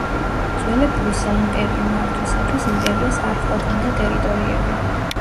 ძველებური საიმპერიო მართვისათვის იმპერიას არ ჰყოფნიდა ტერიტორიები.